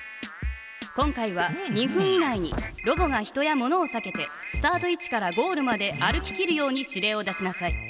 今回は２分以内にロボが人や物をさけてスタート位置からゴールまで歩ききるように指令を出しなさい。